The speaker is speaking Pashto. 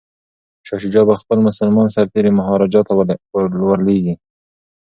شاه شجاع به خپل مسلمان سرتیري مهاراجا ته ور لیږي.